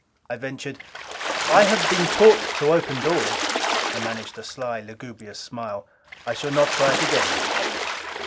I ventured, "I have been taught to open doors." I managed a sly, lugubrious smile. "I shall not try it again, Miko."